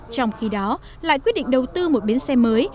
trong khi đó lại quyết định đầu tư một bến xe mới